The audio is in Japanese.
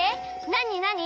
なになに？